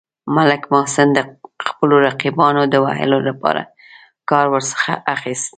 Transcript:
ملک محسن د خپلو رقیبانو د وهلو لپاره کار ورڅخه اخیست.